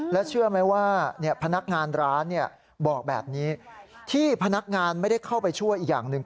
และเชื่อไหมว่าพนักงานร้านบอกแบบนี้ที่พนักงานไม่ได้เข้าไปช่วยอีกอย่างหนึ่ง